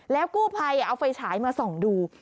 กู้ภัยเอาไฟฉายมาส่องดู